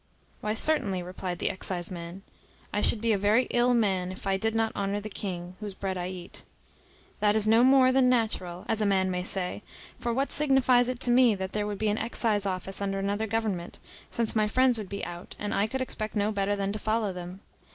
"Why, certainly," replied the exciseman, "I should be a very ill man if I did not honour the king, whose bread I eat. That is no more than natural, as a man may say: for what signifies it to me that there would be an excise office under another government, since my friends would be out, and I could expect no better than to follow them?